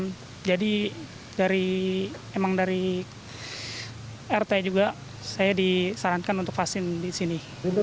dari emang dari rt juga saya disarankan untuk vaksin di sini